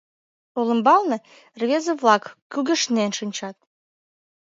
Олымбалне рвезе-влак кугешнен шинчат.